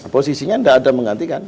posisinya gak ada menggantikan